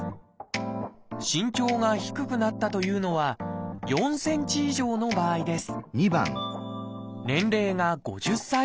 身長が低くなったというのは４ｃｍ以上の場合です